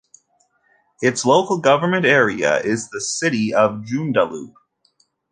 Its local government area is the City of Joondalup.